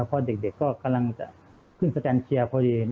พอเด็กก็กำลังจะขึ้นสแตนเชียร์พอดี